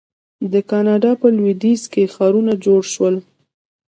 د کاناډا په لویدیځ کې ښارونه جوړ شول.